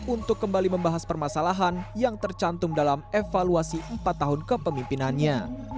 untuk kembali membahas permasalahan yang tercantum dalam evaluasi empat tahun kepemimpinannya